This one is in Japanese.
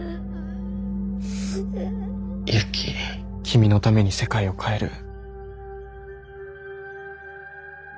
君のために世界を変える。